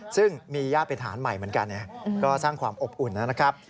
ซึ่งมีญาติเป็นฐานใหม่เหมือนกันก็สร้างความอบอุ่นนะครับ